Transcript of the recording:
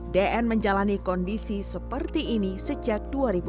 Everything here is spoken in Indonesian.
dn menjalani kondisi seperti ini sejak dua ribu dua belas